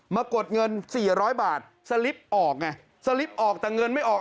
กดเงิน๔๐๐บาทสลิปออกไงสลิปออกแต่เงินไม่ออก